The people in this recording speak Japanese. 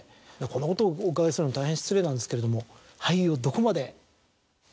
こんなことをお伺いするのも大変失礼なんですけれども。